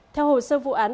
theo hồ sơ vụ án